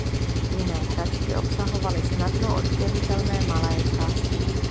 Jiné hračky obsahovaly snadno oddělitelné malé části.